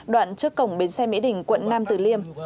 đoạn trước cổng bến xe mỹ đình quận nam tử liêm